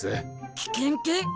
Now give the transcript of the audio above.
危険って？